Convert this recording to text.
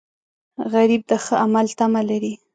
غریب د ښه عمل تمه لري